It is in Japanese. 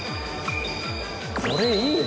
これいいな！